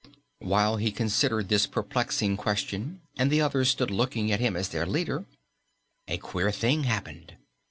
While he considered this perplexing question and the others stood looking at him as their leader, a queer thing happened.